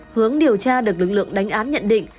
hướng điều tra được lực lượng đánh án nhận định